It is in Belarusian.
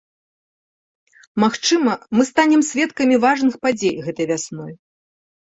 Магчыма, мы станем сведкамі важных падзей гэтай вясной.